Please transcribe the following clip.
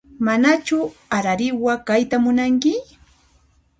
Manachu arariwa kayta munanki?